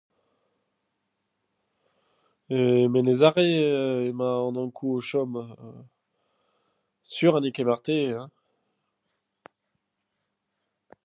E Menez Are emañ an Ankoù o chom, sur eo ha n'eo ket marteze, heñ !